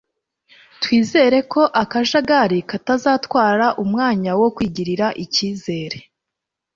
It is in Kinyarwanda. twizere ko akajagari katazatwara umwanya wo kwigirira icyizere